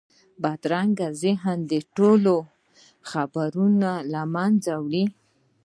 بدرنګه نیت ټول خیرونه له منځه وړي